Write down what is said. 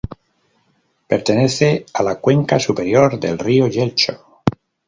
Pertenece a la cuenca superior del río Yelcho.